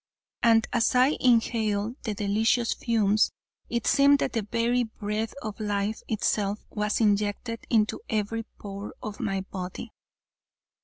And as I inhaled the delicious fumes it seemed that the very breath of life itself was injected into every pore of my body.